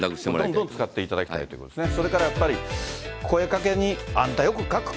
どんどん使っていただきたいということですね。